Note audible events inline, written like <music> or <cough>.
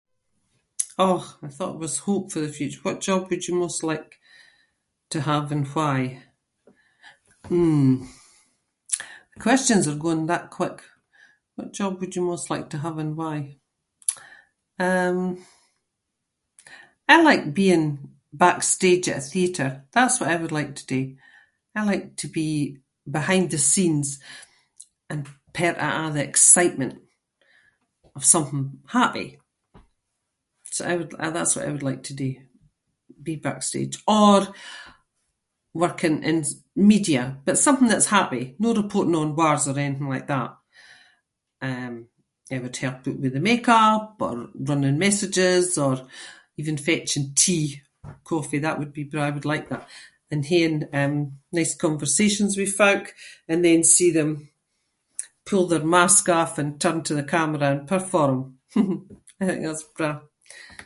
Aw, I thought it was hope for the future- what job would you most like to have and why? Hmm- the questions are going that quick. What job would you most like to have and why? Um, I like being backstage at a theatre. That’s what I would like to do. I like to be behind the scenes and part of a’ the excitement of something happy. So I would- that’s what I would like to do, be backstage- or working in s- media, but something that’s happy. No reporting on wars or anything like that. Um, I would help oot with the make-up or running messages or even fetching tea, coffee. That would be braw, I would like that. And haeing, um, nice conversations with folk and then see them pull their mask off and turn to the camera and perform. <laughs> I think that’s braw.